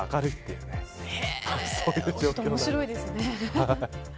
面白いですね。